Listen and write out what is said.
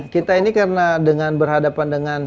kita ini karena dengan berhadapan dengan